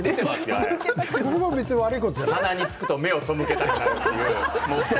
鼻につくと目を背けたくなる。